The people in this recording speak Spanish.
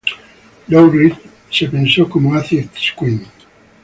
Lou Reed se pensó como Acid Queen.